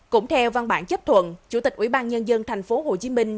cũng theo văn bản chấp thuận chủ tịch ủy ban nhân dân thành phố hồ chí minh